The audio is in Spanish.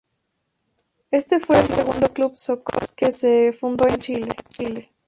Este fue el segundo Club Sokol que se fundó en Chile.